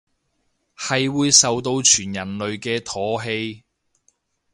係會受到全人類嘅唾棄